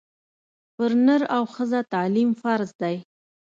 پر نر او ښځه تعلیم فرض دی